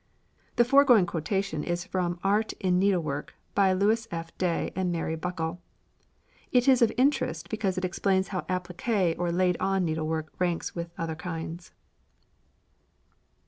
The foregoing quotation is from "Art in Needlework" by Louis F. Day and Mary Buckle. It is of interest because it explains how appliqué or "laid on" needlework ranks with other kinds.